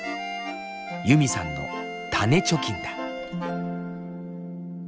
ユミさんの「種貯金」だ。